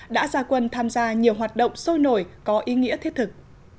đã ra quân tham gia nhiều hoạt động sôi nổi có ý nghĩa thiết thực